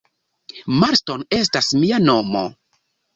Marston estas mia nomo.